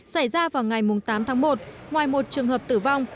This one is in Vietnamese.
xảy ra vào ngày tám tháng một ngoài một trường hợp tử vong